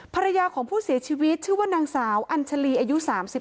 ภรรยาของผู้เสียชีวิตชื่อว่านางสาวอัญชาลีอายุ๓๒